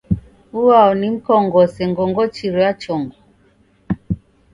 Uao nimkong'ose ngongochiro ya chongo?